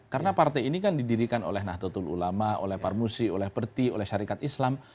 karena partai ini kan didirikan oleh nahtatul ulama oleh parmusi oleh perti oleh syarikat islam